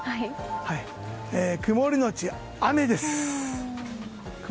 曇りのち雨です。